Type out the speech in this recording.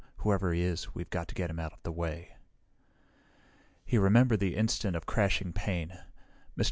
Whoever he is, we've got to get him out of the way." He remembered the instant of crashing pain. Mr.